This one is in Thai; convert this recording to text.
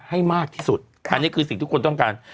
ให้มากที่สุดอันนี้คือสิ่งที่ทุกคนต้องการ